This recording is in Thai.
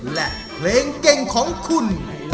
และเพลงเก่งของคุณ